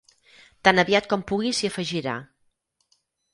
Tan aviat com pugui s'hi afegirà.